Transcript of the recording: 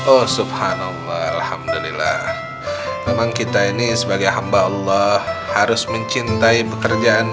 oh subhanallah alhamdulillah memang kita ini sebagai hamba allah harus mencintai pekerjaan